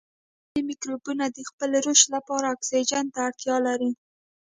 ځینې مکروبونه د خپل رشد لپاره اکسیجن ته اړتیا لري.